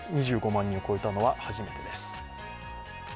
２５万人を超えたのは、初めてです。